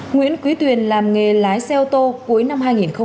nguyễn quý tuyền làm nghề lái xe ô tô cuối năm hai nghìn một mươi chín